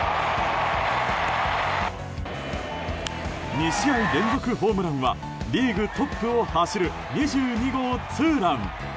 ２試合連続ホームランはリーグトップを走る２２号ツーラン。